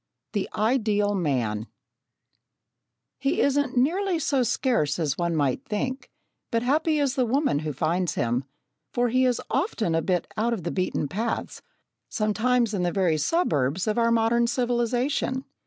The Ideal Man He isn't nearly so scarce as one might think, but happy is the woman who finds him, for he is often a bit out of the beaten paths, sometimes in the very suburbs of our modern civilisation.